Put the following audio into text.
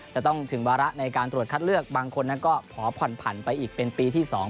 จะต้องถึงวาระในการตรวจคัดเลือกบางคนนั้นก็ขอผ่อนผันไปอีกเป็นปีที่๒